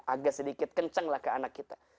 agak sedikit kencang lah ke anak kita